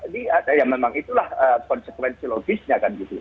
jadi memang itulah konsekuensi logisnya kan gitu